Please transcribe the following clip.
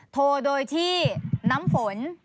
โทรโดยที่น้ำฝน